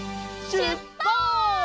しゅっぱつ！